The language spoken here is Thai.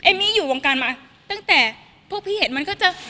มี่อยู่วงการมาตั้งแต่พวกพี่เห็นมันก็จะ